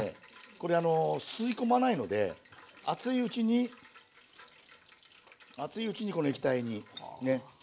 これ吸い込まないので熱いうちに熱いうちにこの液体にね。